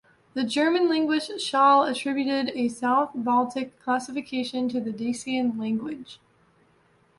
The German linguist Schall attributed a South Baltic classification to the Dacian language.